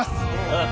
ああ。